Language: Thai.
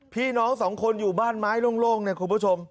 พี่น้อง๒คนอยู่บ้านไม้ลงคุณผู้ชม